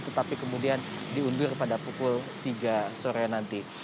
tetapi kemudian diundur pada pukul tiga sore nanti